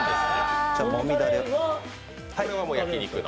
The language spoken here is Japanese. これは焼き肉の？